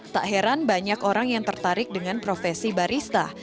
tak heran banyak orang yang tertarik dengan profesi barista